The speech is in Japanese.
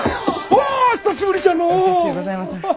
お久しゅうございます。